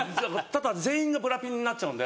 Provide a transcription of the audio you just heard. ただ全員がブラピになっちゃうんで。